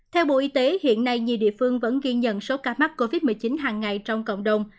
theo bộ y tế hiện nay nhiều địa phương vẫn ghi nhận số ca mắc covid một mươi chín hàng ngày trong cộng đồng